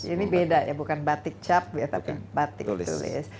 ini beda ya bukan batik cap ya tapi batik tulis